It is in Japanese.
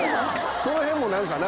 その辺も何かな。